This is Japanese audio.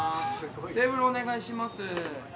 テーブルお願いします。